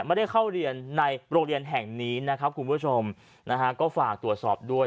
ไม่ได้เข้าเรียนในโรงเรียนแห่งนี้นะครับคุณผู้ชมนะฮะก็ฝากตรวจสอบด้วย